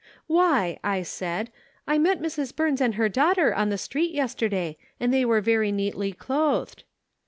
'Why !' I said, 'I met Mrs. Burns and her daughter on the street yesterday, and they were very neatly clothed.'